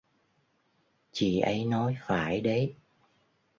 Chị ấy nói phải đấy